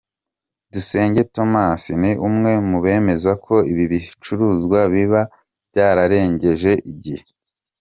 Dusenge Thomas, ni umwe mu bemeza ko ibi bicuruzwa biba byararengeje igihe.